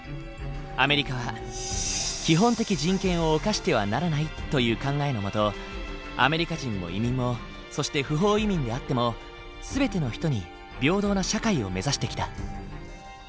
アメリカは「基本的人権を侵してはならない」という考えの下アメリカ人も移民もそして不法移民であっても全ての人に平等な社会を目指してきた。